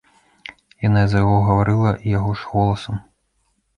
Яна за яго гаварыла яго ж голасам.